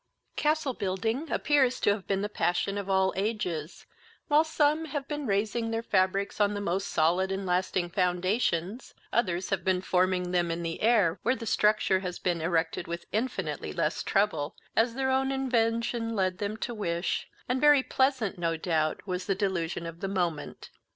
Castle Building appears to have been the passion of all ages; while some have been raising their fabrics on the most solid and lasting foundations, others have been forming them in the air, where the structure has been erected with infinitely less trouble, as their own invention led them to wish, and very pleasant, no doubt, was the delusion of the moment.